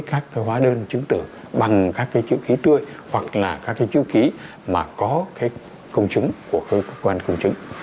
các cái hóa đơn chứng tử bằng các cái chữ khí tươi hoặc là các cái chữ ký mà có cái công chứng của cơ quan công chứng